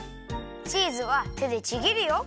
チーズはてでちぎるよ。